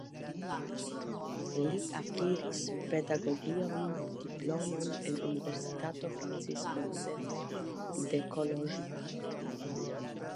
Li akiris pedagogian diplomon en Universitato Francisko Jozefo de Koloĵvaro.